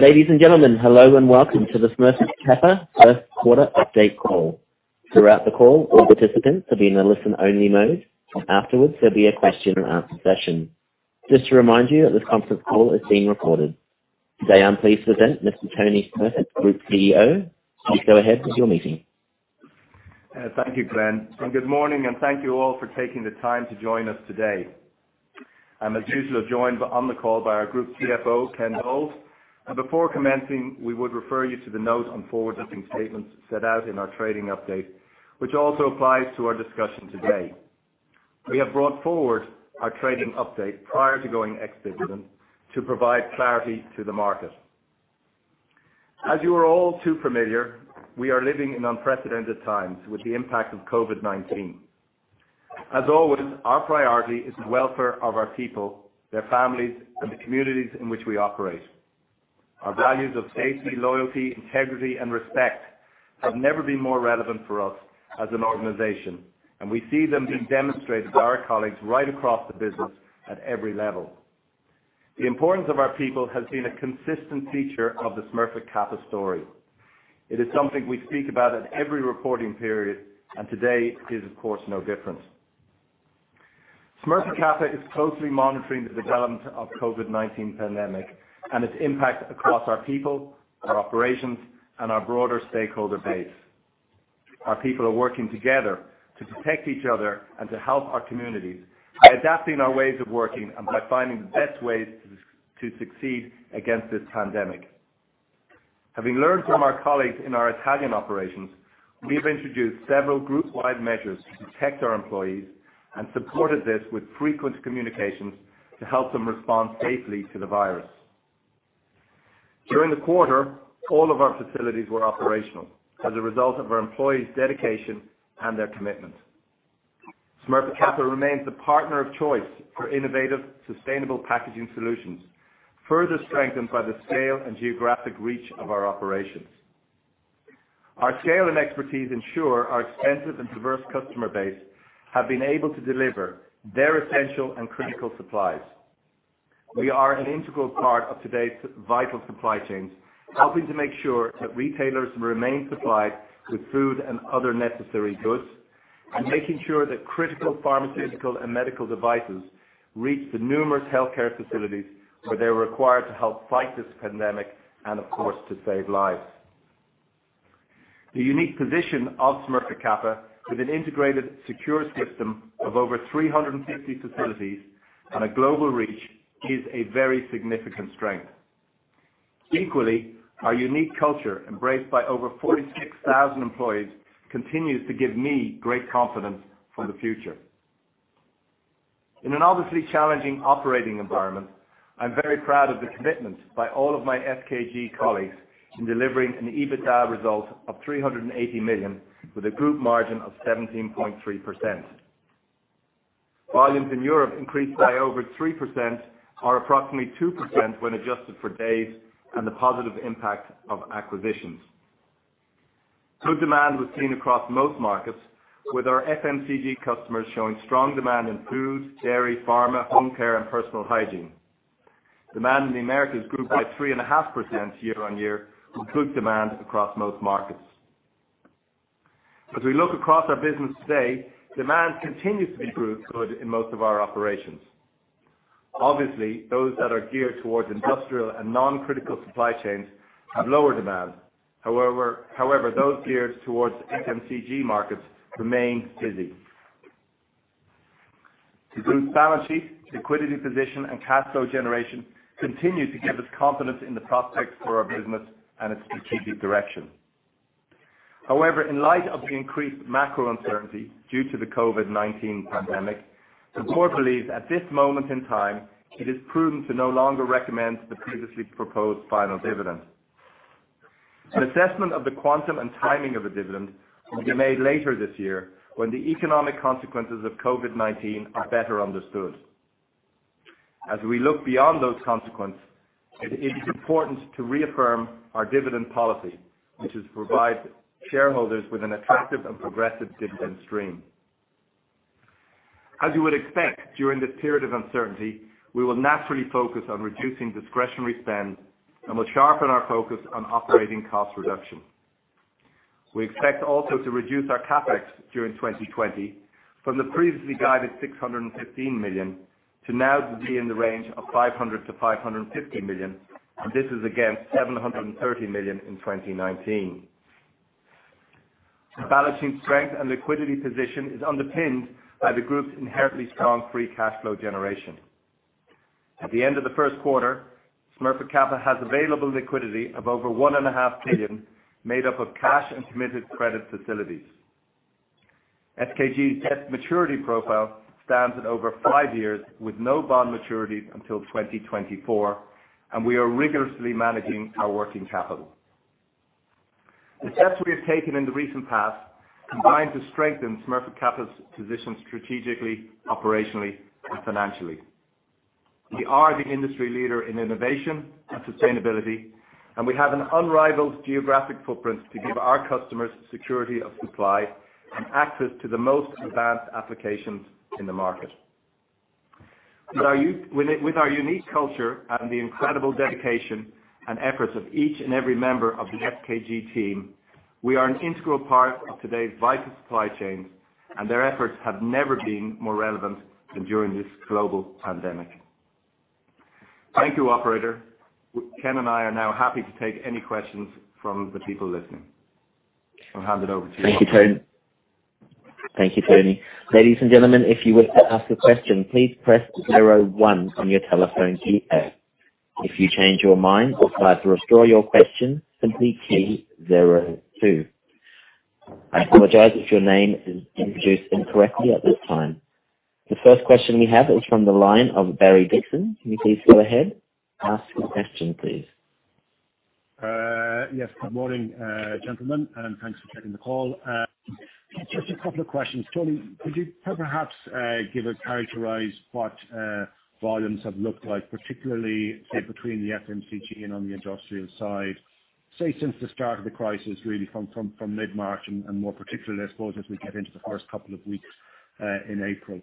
Ladies and gentlemen, hello, and welcome to the Smurfit Westrock First Quarter Update Call. Throughout the call, all participants will be in a listen-only mode, and afterwards, there'll be a question and answer session. Just to remind you that this conference call is being recorded. Today, I'm pleased to present Mr. Tony Smurfit, Group CEO. Please go ahead with your meeting. Thank you, Glenn, and good morning, and thank you all for taking the time to join us today. I'm, as usual, joined by on the call by our Group CFO, Ken Bowles. Before commencing, we would refer you to the note on forward-looking statements set out in our trading update, which also applies to our discussion today. We have brought forward our trading update prior to going ex-dividend to provide clarity to the market. As you are all too familiar, we are living in unprecedented times with the impact of COVID-19. As always, our priority is the welfare of our people, their families, and the communities in which we operate. Our values of safety, loyalty, integrity, and respect have never been more relevant for us as an organization, and we see them being demonstrated by our colleagues right across the business at every level. The importance of our people has been a consistent feature of the Smurfit Westrock story. It is something we speak about at every reporting period, and today is, of course, no different. Smurfit Westrock is closely monitoring the development of COVID-19 pandemic and its impact across our people, our operations, and our broader stakeholder base. Our people are working together to protect each other and to help our communities by adapting our ways of working and by finding the best ways to succeed against this pandemic. Having learned from our colleagues in our Italian operations, we have introduced several group-wide measures to protect our employees and supported this with frequent communications to help them respond safely to the virus. During the quarter, all of our facilities were operational as a result of our employees' dedication and their commitment. Smurfit Westrock remains the partner of choice for innovative, sustainable packaging solutions, further strengthened by the scale and geographic reach of our operations. Our scale and expertise ensure our extensive and diverse customer base have been able to deliver their essential and critical supplies. We are an integral part of today's vital supply chains, helping to make sure that retailers remain supplied with food and other necessary goods, and making sure that critical pharmaceutical and medical devices reach the numerous healthcare facilities where they are required to help fight this pandemic and, of course, to save lives. The unique position of Smurfit Westrock, with an integrated secure system of over 350 facilities and a global reach, is a very significant strength. Equally, our unique culture, embraced by over 46,000 employees, continues to give me great confidence for the future. In an obviously challenging operating environment, I'm very proud of the commitment by all of my SKG colleagues in delivering an EBITDA result of 380 million, with a group margin of 17.3%. Volumes in Europe increased by over 3%, or approximately 2% when adjusted for days and the positive impact of acquisitions. Good demand was seen across most markets, with our FMCG customers showing strong demand in food, dairy, pharma, home care, and personal hygiene. Demand in the Americas grew by 3.5% year-over-year, with good demand across most markets. As we look across our business today, demand continues to be good, good in most of our operations. Obviously, those that are geared towards industrial and non-critical supply chains have lower demand. However, however, those geared towards FMCG markets remain busy. The group's balance sheet, liquidity position, and cash flow generation continue to give us confidence in the prospects for our business and its strategic direction. However, in light of the increased macro uncertainty due to the COVID-19 pandemic, the board believes at this moment in time, it is prudent to no longer recommend the previously proposed final dividend. An assessment of the quantum and timing of the dividend will be made later this year when the economic consequences of COVID-19 are better understood. As we look beyond those consequences, it is important to reaffirm our dividend policy, which is to provide shareholders with an attractive and progressive dividend stream. As you would expect, during this period of uncertainty, we will naturally focus on reducing discretionary spend and will sharpen our focus on operating cost reduction. We expect also to reduce our CapEx during 2020 from the previously guided 615 million to now to be in the range of 500 million-550 million, and this is against 730 million in 2019. The balancing strength and liquidity position is underpinned by the group's inherently strong free cash flow generation. At the end of the first quarter, Smurfit Kappa has available liquidity of over 1.5 billion, made up of cash and committed credit facilities. SKG's debt maturity profile stands at over 5 years, with no bond maturity until 2024, and we are rigorously managing our working capital. The steps we have taken in the recent past combine to strengthen Smurfit Kappa's position strategically, operationally, and financially. We are the industry leader in innovation and sustainability, and we have an unrivaled geographic footprint to give our customers security of supply and access to the most advanced applications in the market.... With our unique culture and the incredible dedication and efforts of each and every member of the SKG team, we are an integral part of today's vital supply chain, and their efforts have never been more relevant than during this global pandemic. Thank you, operator. Ken and I are now happy to take any questions from the people listening. I'll hand it over to you. Thank you, Tony. Thank you, Tony. Ladies and gentlemen, if you wish to ask a question, please press zero one on your telephone keypad. If you change your mind or would like to withdraw your question, simply key zero two. I apologize if your name is introduced incorrectly at this time. The first question we have is from the line of Barry Dixon. Can you please go ahead, ask your question, please. Yes, good morning, gentlemen, and thanks for taking the call. Just a couple of questions. Tony, could you perhaps give or characterize what volumes have looked like, particularly say, between the FMCG and on the industrial side, say, since the start of the crisis, really from mid-March and more particularly, I suppose, as we get into the first couple of weeks in April?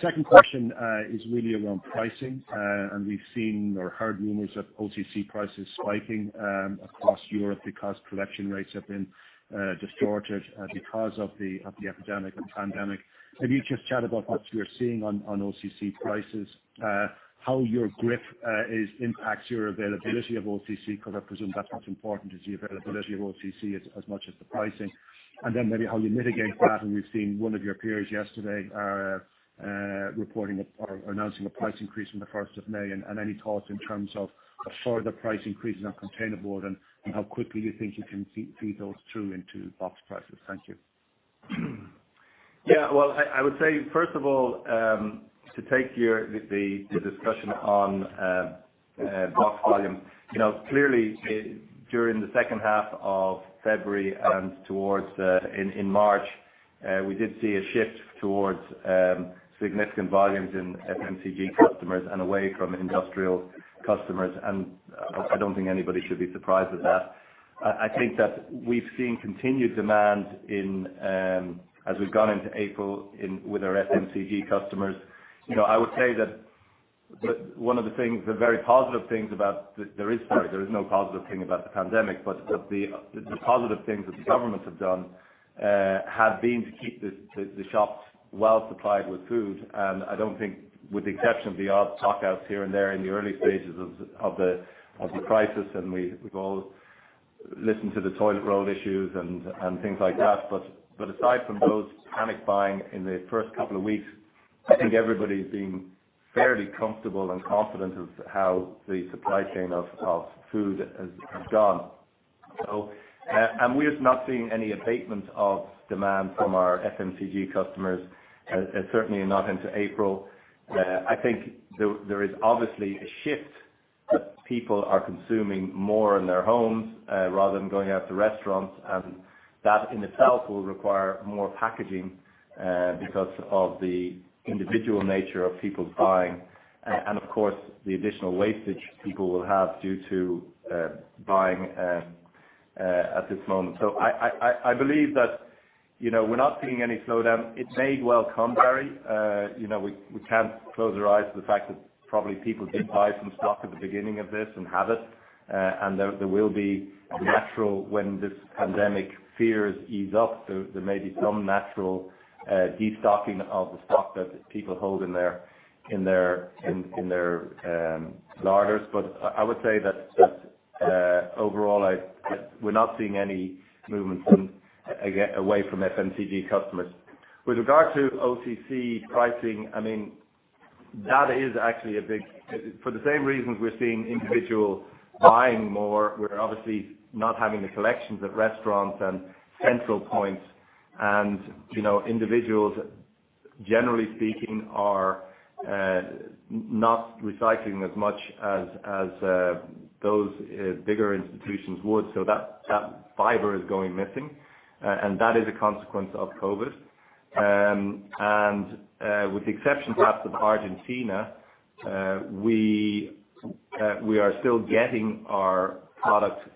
Second question is really around pricing. And we've seen or heard rumors of OCC prices spiking across Europe because collection rates have been distorted because of the epidemic and pandemic. Can you just chat about what you're seeing on OCC prices, how it impacts your availability of OCC? Because I presume that's as important as the availability of OCC as much as the pricing. And then maybe how you mitigate that. We've seen one of your peers yesterday reporting or announcing a price increase from the first of May, and any thoughts in terms of a further price increase on containerboard and how quickly you think you can feed those through into box prices? Thank you. Yeah, well, I would say, first of all, to take the discussion on box volume, you know, clearly, during the second half of February and towards the... in March, we did see a shift towards significant volumes in FMCG customers and away from industrial customers, and I don't think anybody should be surprised at that. I think that we've seen continued demand in, as we've gone into April with our FMCG customers. You know, I would say that one of the very positive things about... There is sorry, there is no positive thing about the pandemic, but the positive things that the governments have done have been to keep the shops well supplied with food. I don't think, with the exception of the odd stockouts here and there in the early stages of the crisis, and we've all listened to the toilet roll issues and things like that. But aside from those panic buying in the first couple of weeks, I think everybody's been fairly comfortable and confident of how the supply chain of food has gone. So, and we're not seeing any abatement of demand from our FMCG customers, and certainly not into April. I think there is obviously a shift, that people are consuming more in their homes, rather than going out to restaurants, and that in itself will require more packaging, because of the individual nature of people buying, and of course, the additional wastage people will have due to buying at this moment. So I believe that, you know, we're not seeing any slowdown. It may well come, Barry. You know, we can't close our eyes to the fact that probably people did buy some stock at the beginning of this and have it, and there will be a natural... When this pandemic fears ease up, there may be some natural destocking of the stock that people hold in their larders. But I would say that, overall, we're not seeing any movement away from FMCG customers. With regard to OCC pricing, I mean, that is actually. For the same reasons we're seeing individuals buying more, we're obviously not having the collections at restaurants and central points. And, you know, individuals, generally speaking, are not recycling as much as those bigger institutions would. So that fiber is going missing, and that is a consequence of COVID. And, with the exception perhaps of Argentina, we are still getting our product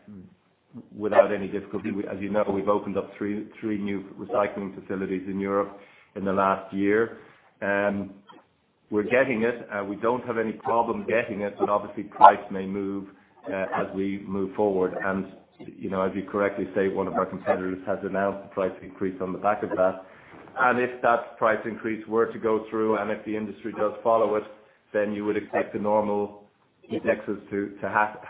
without any difficulty. As you know, we've opened up three new recycling facilities in Europe in the last year. We're getting it, we don't have any problem getting it, but obviously price may move as we move forward. And, you know, as you correctly say, one of our competitors has announced a price increase on the back of that. And if that price increase were to go through, and if the industry does follow it, then you would expect the normal indexes to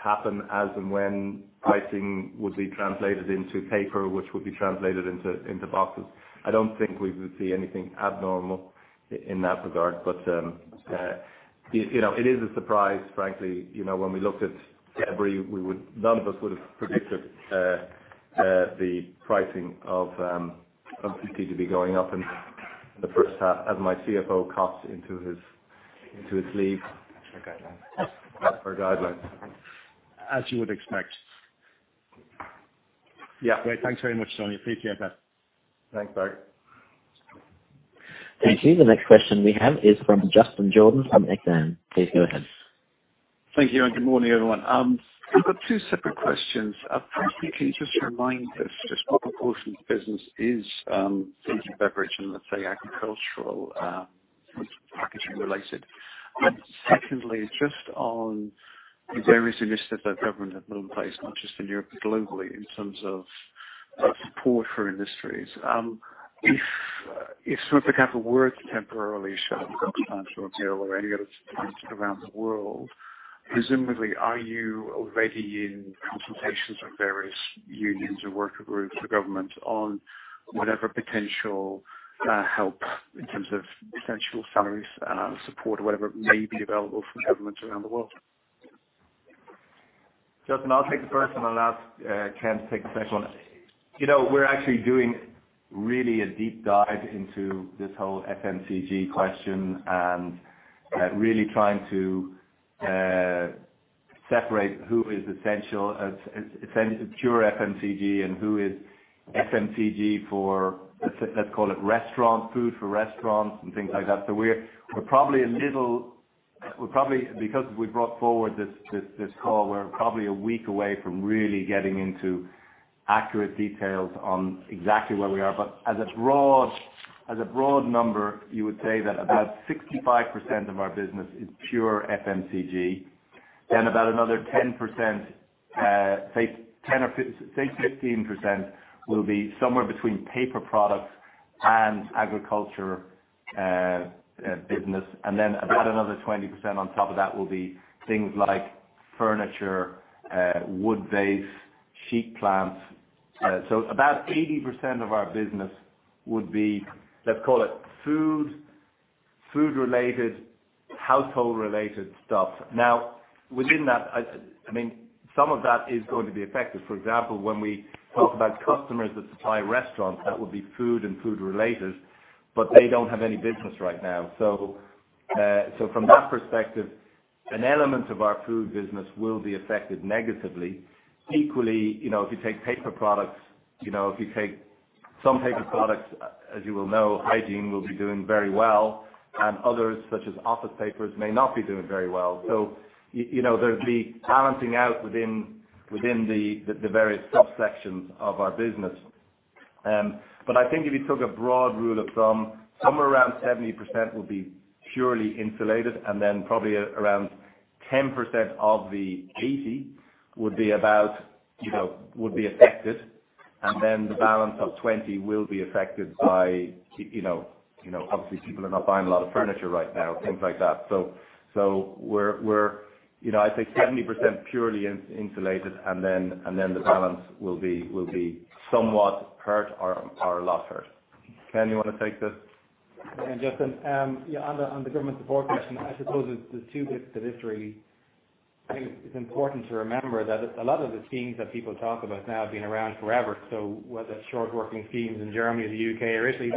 happen as and when pricing would be translated into paper, which would be translated into boxes. I don't think we would see anything abnormal in that regard, but, you know, it is a surprise, frankly. You know, when we looked at February, none of us would have predicted the pricing of OCC to be going up in the first half, as my CFO coughs into his sleeve. Our guidelines as you would expect. Yeah. Great. Thanks very much, Tony. Appreciate that. Thanks, Barry. Thank you. The next question we have is from Justin Jordan from Exane. Please go ahead. Thank you, and good morning, everyone. I've got two separate questions. Firstly, can you just remind us just what proportion of the business is food and beverage, and let's say agricultural, packaging related? And secondly, just on the various initiatives that government have put in place, not just in Europe, but globally, in terms of support for industries. If Smurfit Westrock were to temporarily shut down in France or Italy or any other countries around the world, presumably, are you already in consultations with various unions or worker groups or government on whatever potential help in terms of essential salaries, support or whatever may be available from governments around the world? Justin, I'll take the first, and I'll ask Ken to take the second one. You know, we're actually doing really a deep dive into this whole FMCG question and really trying to separate who is essential as pure FMCG and who is FMCG for, let's call it restaurant food for restaurants and things like that. So we're probably a little- we're probably because we brought forward this call, we're probably a week away from really getting into accurate details on exactly where we are. But as a broad number, you would say that about 65% of our business is pure FMCG, then about another 10%, say 10 or- say 15% will be somewhere between paper products and agriculture business. And then about another 20% on top of that will be things like furniture, wood-based sheet plants. So about 80% of our business would be, let's call it food, food-related, household-related stuff. Now, within that, I mean, some of that is going to be affected. For example, when we talk about customers that supply restaurants, that would be food and food related, but they don't have any business right now. So, so from that perspective, an element of our food business will be affected negatively. Equally, you know, if you take paper products, you know, if you take some paper products, as you well know, hygiene will be doing very well, and others, such as office papers, may not be doing very well. So you know, there'd be balancing out within the various subsections of our business. But I think if you took a broad rule of thumb, somewhere around 70% will be purely insulated, and then probably around 10% of the 80 would be about, you know, would be affected, and then the balance of 20 will be affected by, you know, obviously, people are not buying a lot of furniture right now, things like that. So, we're... You know, I'd say 70% purely insulated, and then the balance will be, will be somewhat hurt or a lot hurt. Ken, you want to take this? Yeah, Justin, yeah, on the government support question, I suppose there's two bits to this really. I think it's important to remember that a lot of the schemes that people talk about now have been around forever. So whether it's short working schemes in Germany or the U.K. or Italy,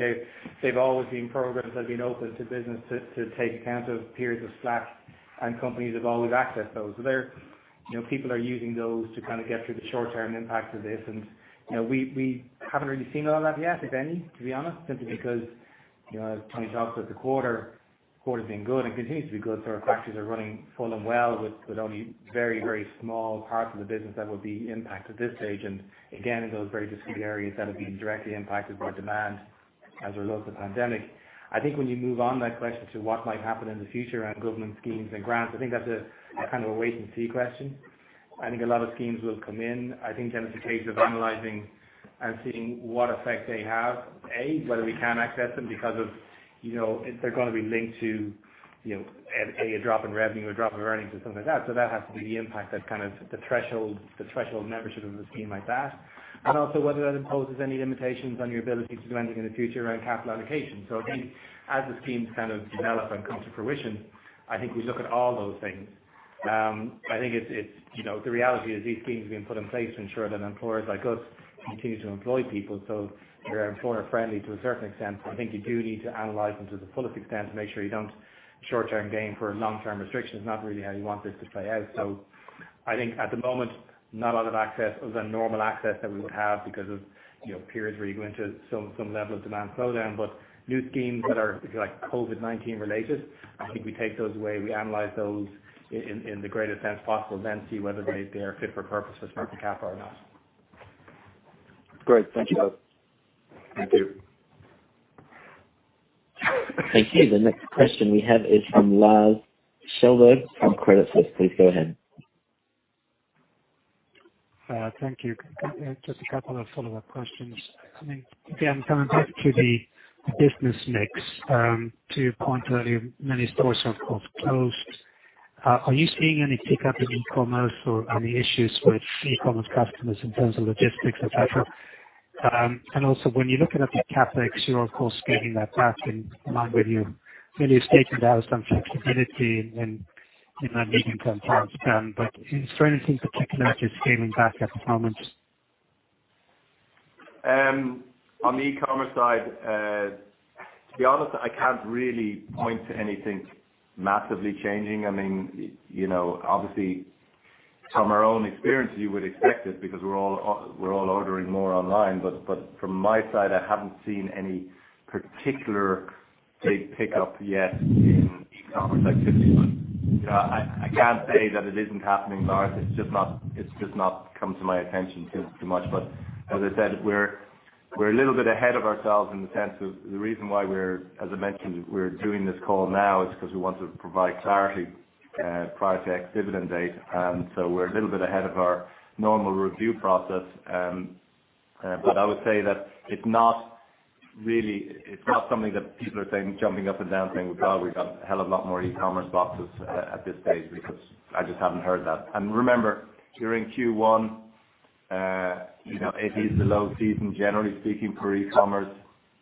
they've always been programs that have been open to business to take account of periods of slack, and companies have always accessed those. So they're, you know, people are using those to kind of get through the short-term impacts of this. And, you know, we haven't really seen a lot of that yet, if any, to be honest, simply because, you know, as Tony talked about the quarter, the quarter's been good and continues to be good. So our factories are running full and well, with only very, very small parts of the business that would be impacted at this stage, and again, in those very discrete areas that have been directly impacted by demand as a result of the pandemic. I think when you move on that question to what might happen in the future and government schemes and grants, I think that's a kind of a wait-and-see question. I think a lot of schemes will come in. I think then it's a case of analyzing and seeing what effect they have, A, whether we can access them because of, you know, if they're gonna be linked to, you know, a drop in revenue, a drop in earnings or something like that. So that has to be the impact, that kind of the threshold, the threshold membership of a scheme like that, and also whether that imposes any limitations on your ability to do anything in the future around capital allocation. So I think as the schemes kind of develop and come to fruition, I think we look at all those things. I think it's, you know, the reality is these schemes are being put in place to ensure that employers like us continue to employ people, so they're employer-friendly to a certain extent. I think you do need to analyze them to the fullest extent to make sure you don't short-term gain for long-term restrictions, not really how you want this to play out. So I think at the moment, not a lot of access other than normal access that we would have because of, you know, periods where you go into some level of demand slowdown, but new schemes that are like COVID-19 related, I think we take those away, we analyze those in the greatest sense possible, then see whether they are fit for purpose for Smurfit Kappa or not. Great. Thank you both. Thank you. Thank you. The next question we have is from Lars Kjellberg, from Credit Suisse. Please go ahead. Thank you. Just a couple of follow-up questions. I mean, again, going back to the business mix, to your point earlier, many stores are, of course, closed. Are you seeing any pickup in e-commerce or any issues with e-commerce customers in terms of logistics, et cetera? And also when you're looking at the CapEx, you're of course scaling that back in line with your earlier statement, there was some flexibility in the medium term, long term, but is there anything in particular that you're scaling back at the moment? On the e-commerce side, to be honest, I can't really point to anything massively changing. I mean, you know, obviously from our own experience, you would expect it because we're all ordering more online. But from my side, I haven't seen any particular big pickup yet in e-commerce activity. But, you know, I can't say that it isn't happening, Lars. It's just not come to my attention too much. But as I said, we're a little bit ahead of ourselves in the sense of the reason why, as I mentioned, we're doing this call now is because we want to provide clarity prior to ex-dividend date. So we're a little bit ahead of our normal review process. But I would say that it's not really, it's not something that people are saying, jumping up and down, saying, "Well, we've got a hell of a lot more e-commerce boxes at this stage," because I just haven't heard that. And remember, during Q1, you know, it is the low season, generally speaking, for e-commerce.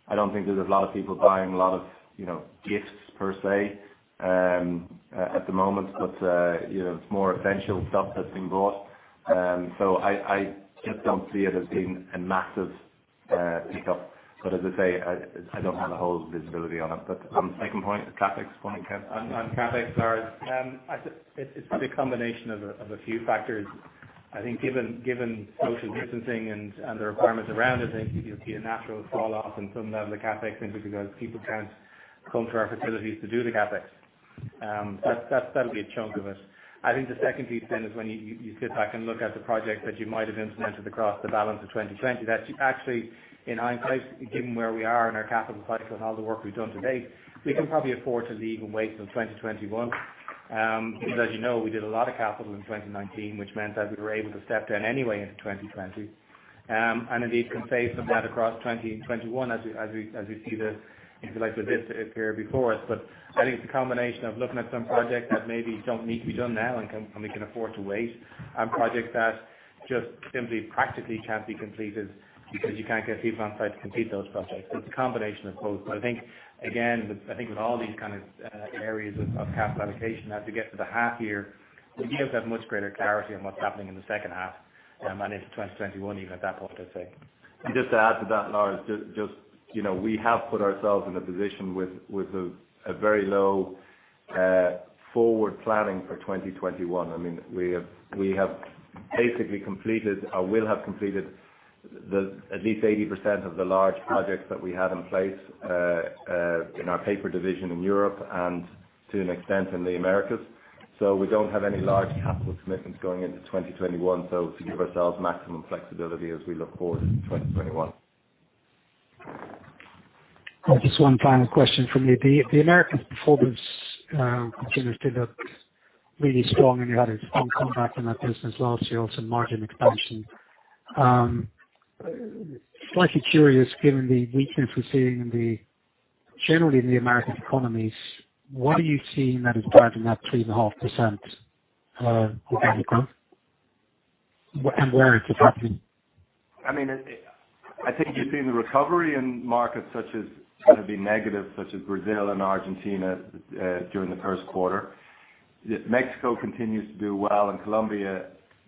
I don't think there's a lot of people buying a lot of, you know, gifts per se, at the moment. But, you know, it's more essential stuff that's being bought. So I just don't see it as being a massive pickup. But as I say, I don't have a whole visibility on it. But on the second point, the CapEx point, Ken? On CapEx, Lars, I think it's probably a combination of a few factors. I think given social distancing and the requirements around it, I think you'll see a natural falloff in some level of CapEx, simply because people can't come to our facilities to do the CapEx. That'll be a chunk of it. I think the second piece then is when you sit back and look at the projects that you might have implemented across the balance of 2020, that actually in hindsight, given where we are in our capital cycle and all the work we've done to date, we can probably afford to leave and wait till 2021. Because as you know, we did a lot of capital in 2019, which meant that we were able to step down anyway into 2020. And indeed can save some of that across 2021 as we see the inflection of this appear before us. But I think it's a combination of looking at some projects that maybe don't need to be done now, and we can afford to wait, and projects that just simply, practically can't be completed because you can't get people on site to complete those projects. So it's a combination of both. But I think, again, I think with all these kind of areas of capital allocation, as we get to the half year, we just have much greater clarity on what's happening in the second half, and into 2021, even at that point, I'd say. And just to add to that, Lars, just, you know, we have put ourselves in a position with a very low forward planning for 2021. I mean, we have basically completed or will have completed at least 80% of the large projects that we had in place in our paper division in Europe and to an extent in the Americas. So we don't have any large capital commitments going into 2021, so to give ourselves maximum flexibility as we look forward to 2021. Just one final question from me. The Americas performance continues to look really strong, and you had a strong comeback in that business last year, also margin expansion. Slightly curious, given the weakness we're seeing generally in the American economies, what are you seeing that is driving that 3.5% organic growth? And where is this happening? I mean, I think you've seen the recovery in markets such as kind of been negative, such as Brazil and Argentina, during the first quarter. Mexico continues to do well, and Colombia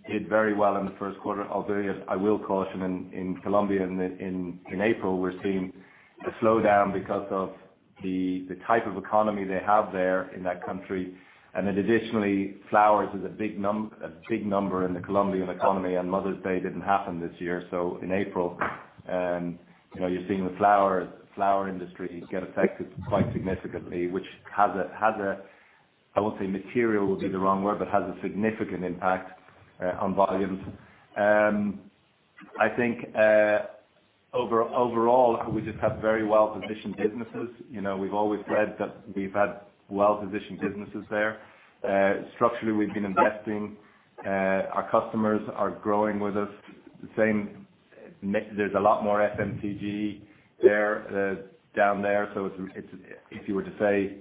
did very well in the first quarter, albeit I will caution in Colombia, in April, we're seeing a slowdown because of the type of economy they have there in that country. And then additionally, flowers is a big number in the Colombian economy, and Mother's Day didn't happen this year. So in April, you know, you're seeing the flower industry get affected quite significantly, which has a... I won't say material, would be the wrong word, but has a significant impact on volumes. I think overall, we just have very well-positioned businesses. You know, we've always said that we've had well-positioned businesses there. Structurally, we've been investing. Our customers are growing with us. The same, there's a lot more FMCG there, down there, so it's if you were to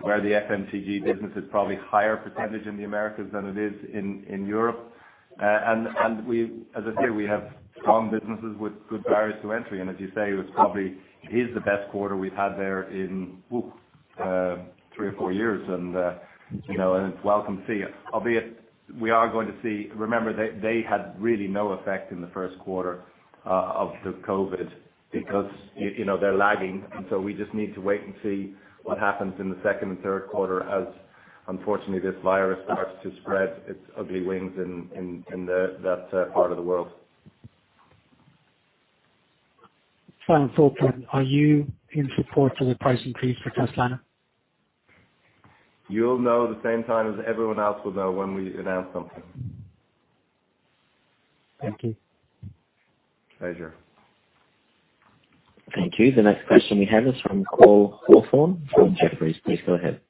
say, where the FMCG business is probably higher percentage in the Americas than it is in Europe. And we, as I say, we have strong businesses with good barriers to entry. And as you say, it was probably, it is the best quarter we've had there in three or four years. And you know, and it's welcome to see it. Albeit, we are going to see, remember, they had really no effect in the first quarter of the COVID because you know, they're lagging. And so we just need to wait and see what happens in the second and third quarter as, unfortunately, this virus starts to spread its ugly wings in that part of the world. Final thought, are you in support of the price increase for containerboard? You'll know the same time as everyone else will know when we announce something. Thank you. Pleasure. Thank you. The next question we have is from Cole Hathorn from Jefferies. Please go ahead.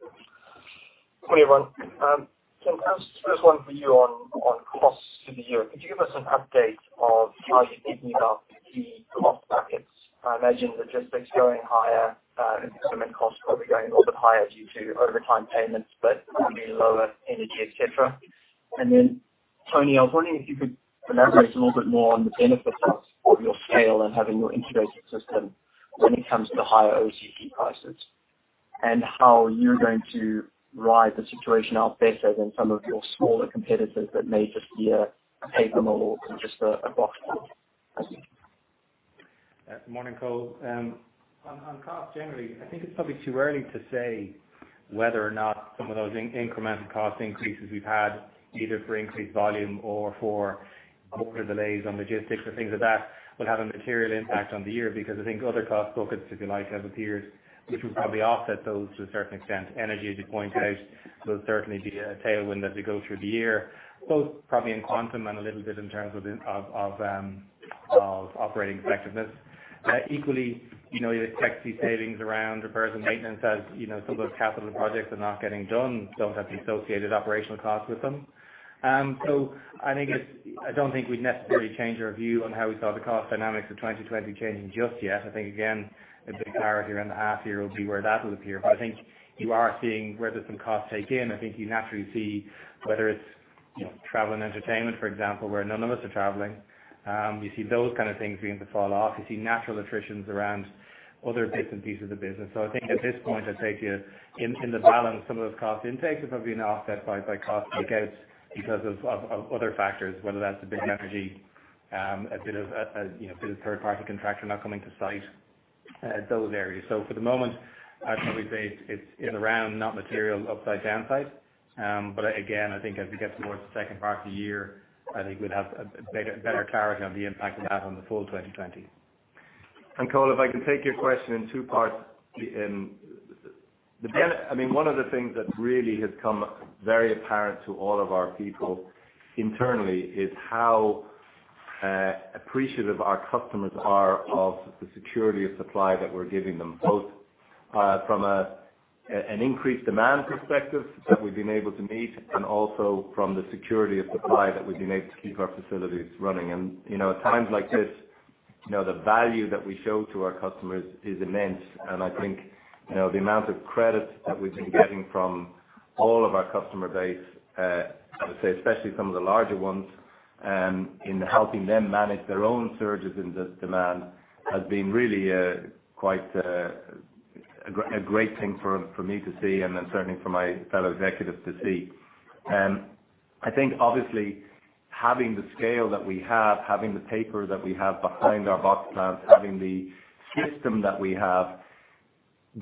Good morning, everyone. So I have this one for you on costs to the year. Could you give us an update of how you're thinking about the cost packets? I imagine logistics going higher, and maintenance costs probably going a little bit higher due to overtime payments, but probably lower energy, et cetera. And then, Tony, I was wondering if you could elaborate a little bit more on the benefits of your scale and having your integrated system when it comes to the higher OCC prices, and how you're going to ride the situation out better than some of your smaller competitors that may just be a paper mill or just a box mill. Morning, Cole. On cost generally, I think it's probably too early to say whether or not some of those incremental cost increases we've had, either for increased volume or for border delays on logistics and things like that, will have a material impact on the year. Because I think other cost buckets, if you like, have appeared, which will probably offset those to a certain extent. Energy, as you pointed out, will certainly be a tailwind as we go through the year, both probably in quantum and a little bit in terms of operating effectiveness. Equally, you know, you expect to see savings around repairs and maintenance, as you know, some of those capital projects are not getting done, don't have the associated operational costs with them. So I think it's. I don't think we'd necessarily change our view on how we saw the cost dynamics of 2020 changing just yet. I think, again, a big clarity in the half year will be where that will appear. But I think you are seeing where there's some cost take in. I think you naturally see whether it's, you know, travel and entertainment, for example, where none of us are traveling. You see those kind of things beginning to fall off. You see natural attritions around other bits and pieces of business. So I think at this point, I'd say to you, in the balance, some of those cost intakes have probably been offset by cost breakouts because of other factors, whether that's a bit of energy, you know, a bit of third-party contractor not coming to site, those areas. So for the moment, I'd probably say it's around not material upside, downside. But again, I think as we get towards the second part of the year, I think we'd have a better clarity on the impact of that on the full 2020. And Cole, if I can take your question in two parts. I mean, one of the things that really has become very apparent to all of our people internally is how appreciative our customers are of the security of supply that we're giving them, both from an increased demand perspective that we've been able to meet, and also from the security of supply that we've been able to keep our facilities running. And, you know, at times like this, you know, the value that we show to our customers is immense. And I think, you know, the amount of credit that we've been getting from all of our customer base, I would say especially some of the larger ones, in helping them manage their own surges in this demand, has been really, quite, a great thing for, for me to see and then certainly for my fellow executives to see. I think obviously, having the scale that we have, having the paper that we have behind our box plants, having the system that we have,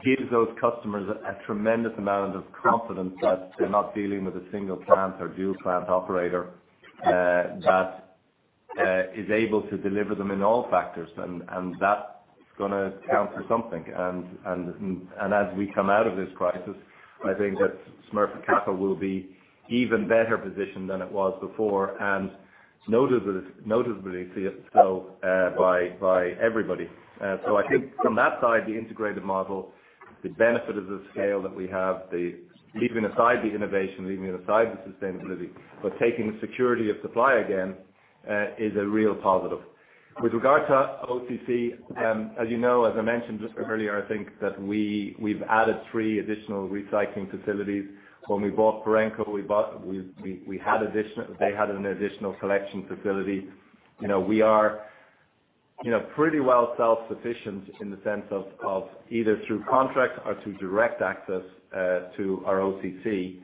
gives those customers a tremendous amount of confidence that they're not dealing with a single plant or dual plant operator, that is able to deliver them in all factors. And that's gonna count for something. As we come out of this crisis, I think that Smurfit Kappa will be even better positioned than it was before, and noticeably seen by everybody. So I think from that side, the integrated model, the benefit of the scale that we have, leaving aside the innovation, leaving aside the sustainability, but taking security of supply again, is a real positive. With regard to OCC, as you know, as I mentioned just earlier, I think that we've added three additional recycling facilities. When we bought Reparenco, they had an additional collection facility. You know, we are, you know, pretty well self-sufficient in the sense of either through contracts or through direct access to our OCC.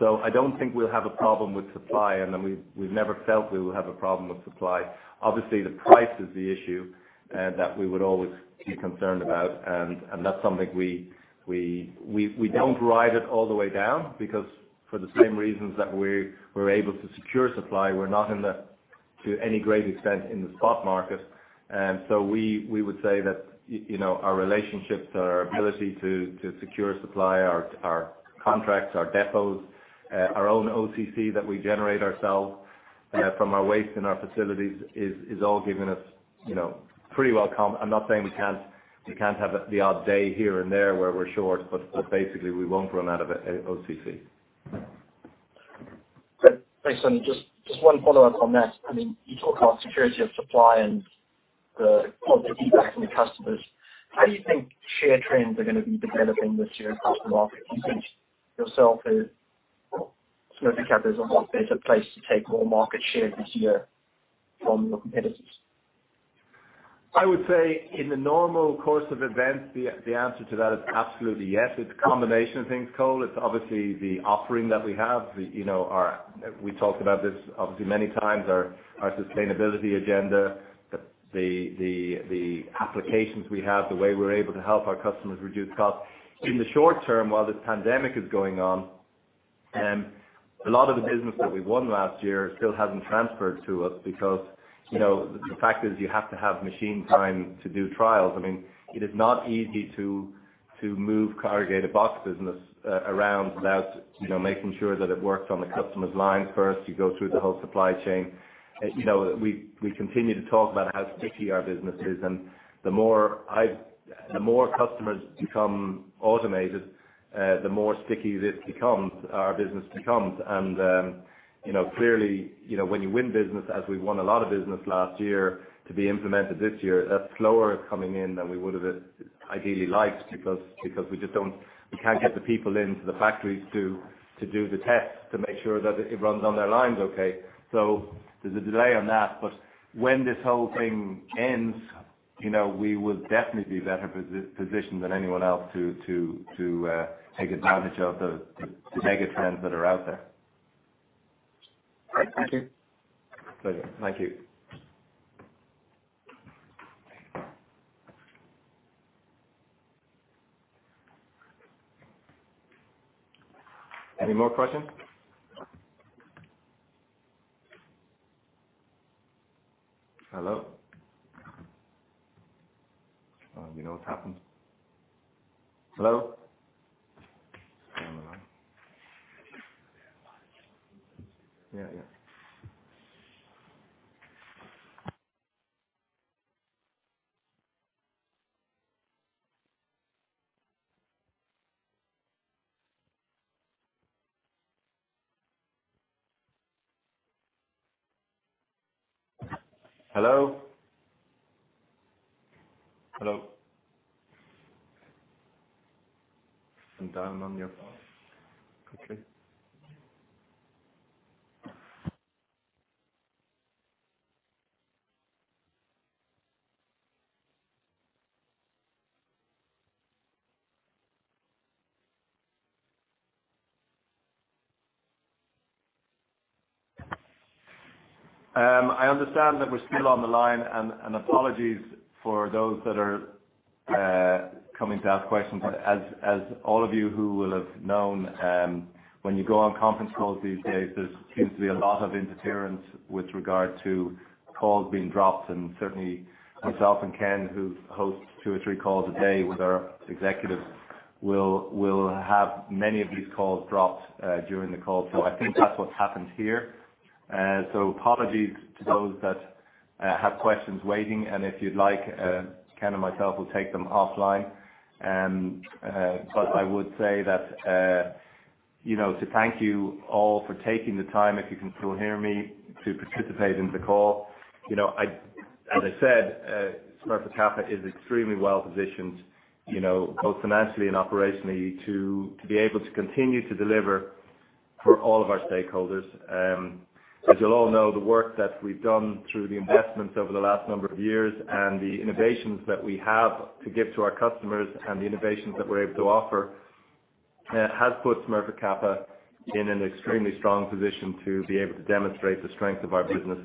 So I don't think we'll have a problem with supply, and then we've never felt we will have a problem with supply. Obviously, the price is the issue that we would always be concerned about, and that's something we don't ride it all the way down because for the same reasons that we're able to secure supply, we're not, to any great extent, in the spot market. And so we would say that, you know, our relationships, our ability to secure supply, our contracts, our depots, our own OCC that we generate ourselves from our waste in our facilities, is all giving us, you know, pretty well calm. I'm not saying we can't, we can't have the odd day here and there where we're short, but, but basically, we won't run out of OCC. Great. Thanks, Tony. Just one follow-up on that. I mean, you talk about security of supply and the feedback from the customers. How do you think share trends are going to be developing this year across the market? Do you think yourself, Smurfit Westrock is a lot better place to take more market share this year from your competitors? I would say in the normal course of events, the answer to that is absolutely yes. It's a combination of things, Cole. It's obviously the offering that we have. The, you know, our... We talked about this obviously many times, our sustainability agenda, the applications we have, the way we're able to help our customers reduce costs. In the short term, while this pandemic is going on, a lot of the business that we won last year still hasn't transferred to us because, you know, the fact is you have to have machine time to do trials. I mean, it is not easy to move corrugated box business around without, you know, making sure that it works on the customer's line first. You go through the whole supply chain. You know, we continue to talk about how sticky our business is, and the more I've the more customers become automated, the more sticky this becomes, our business becomes. You know, clearly, you know, when you win business, as we've won a lot of business last year to be implemented this year, that's slower coming in than we would have ideally liked because we can't get the people into the factories to do the tests to make sure that it runs on their lines okay. So there's a delay on that. But when this whole thing ends, you know, we will definitely be better positioned than anyone else to take advantage of the mega trends that are out there. Thank you. Pleasure. Thank you. Any more questions? Hello? We know what's happened. Hello? Hello? I understand that we're still on the line, and apologies for those that are coming to ask questions. But as all of you who will have known, when you go on conference calls these days, there seems to be a lot of interference with regard to calls being dropped. And certainly, myself and Ken, who hosts two or three calls a day with our executives, will have many of these calls dropped during the call. So I think that's what's happened here. So apologies to those that have questions waiting, and if you'd like, Ken and myself will take them offline. But I would say that, you know, to thank you all for taking the time, if you can still hear me, to participate in the call. You know, as I said, Smurfit Kappa is extremely well positioned, you know, both financially and operationally, to be able to continue to deliver for all of our stakeholders. As you'll all know, the work that we've done through the investments over the last number of years and the innovations that we have to give to our customers and the innovations that we're able to offer has put Smurfit Kappa in an extremely strong position to be able to demonstrate the strength of our business.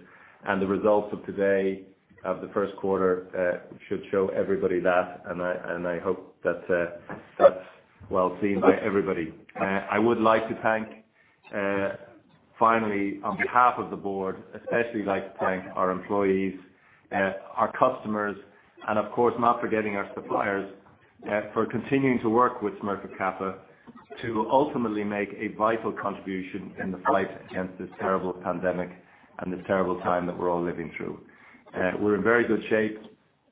And the results of today, of the first quarter, should show everybody that, and I hope that that's well seen by everybody. I would like to thank, finally, on behalf of the board, especially like to thank our employees, our customers, and of course, not forgetting our suppliers, for continuing to work with Smurfit Kappa to ultimately make a vital contribution in the fight against this terrible pandemic and this terrible time that we're all living through. We're in very good shape,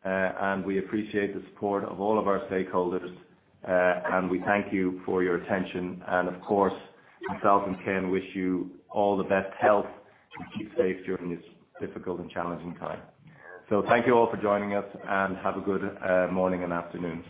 and we appreciate the support of all of our stakeholders, and we thank you for your attention. And of course, myself and Ken wish you all the best health to keep safe during this difficult and challenging time. So thank you all for joining us, and have a good, morning and afternoon.